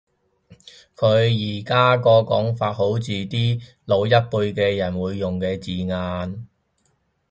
佢而家個講法好似係啲老一輩嘅人會用嘅字眼